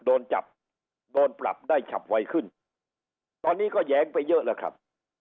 โดนจับโดนปรับได้ฉับไวขึ้นตอนนี้ก็แย้งไปเยอะแล้วครับ